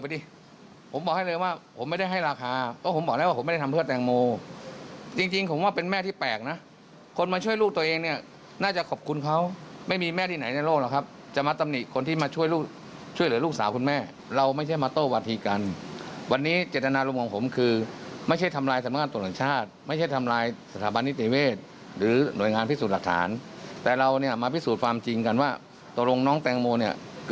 แต่เราเนี่ยมาพิสูจน์ความจริงกันว่าตรวงน้องแต่งโมเนี่ยเกิดความจริงอะไรกันแน่